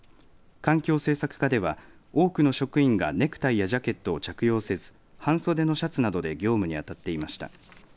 環境政策課では多くの職員がネクタイやジャケットを着用せず半袖のシャツなどで業務にあたっていました。